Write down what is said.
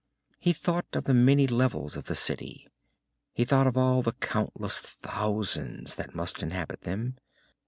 He thought of the many levels of the city. He thought of all the countless thousands that must inhabit them.